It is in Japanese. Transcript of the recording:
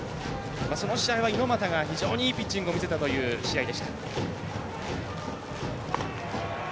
その試合は猪俣が非常にいいピッチングを見せたという試合でした。